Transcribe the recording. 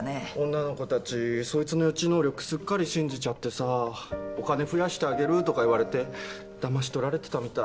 女の子たちそいつの予知能力すっかり信じちゃってさお金増やしてあげるとか言われてだまし取られてたみたい。